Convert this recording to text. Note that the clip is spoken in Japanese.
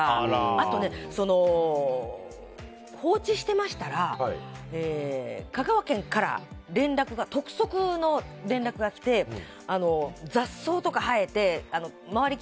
あと、放置してましたら香川県から督促の連絡が来て雑草とか生えて周り